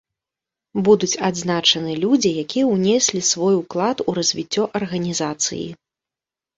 Будуць адзначаны людзі, якія ўнеслі свой уклад у развіццё арганізацыі.